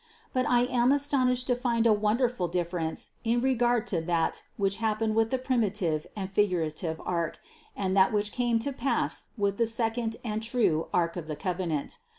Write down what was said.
But I am astonished to find a won derful difference in regard to that which happened with the primitive and figurative ark and that which came to pass with the second and true ark of the covenant.